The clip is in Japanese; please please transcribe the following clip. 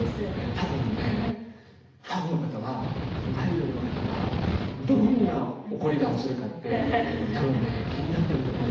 多分ねファンの方はアイドルの方がどんな怒り顔するかって多分ね気になってると思うんですよ。